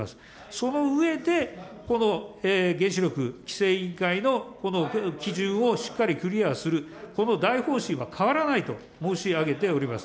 その上で、この原子力規制委員会のこの基準をしっかりクリアする、この大方針は変わらないと申し上げております。